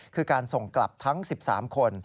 คือการส่งกลับทั้ง๑๓คน